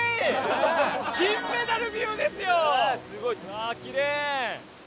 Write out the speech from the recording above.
わあきれい！